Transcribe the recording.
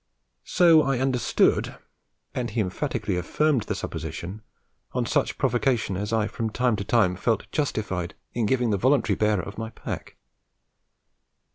So I understood, and he emphatically affirmed the supposition on such provocation as I from time to time felt justified in giving the voluntary bearer of my pack.